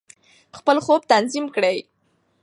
خپل خوب تنظیم کړئ.